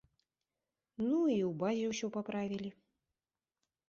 Ну, і ў базе ўсё паправілі.